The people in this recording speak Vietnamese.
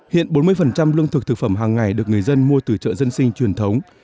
hiện bốn mươi lương thực thực phẩm hàng ngày được người dân mua từ chợ dân sinh truyền thống